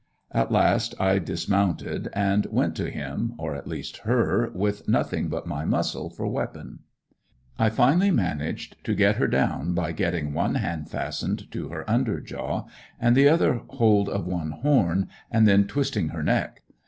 At last I dismounted and went to him, or at least her, with nothing but my muscle for a weapon. I finally managed to get her down by getting one hand fastened to her under jaw and the other hold of one horn and then twisting her neck.